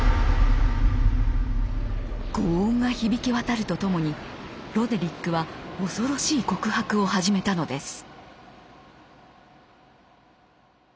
轟音が響き渡るとともにロデリックは恐ろしい告白を始めたのです。